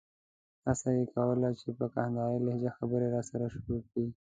هڅه یې کوله چې په کندارۍ لهجه خبرې راسره شروع کړي.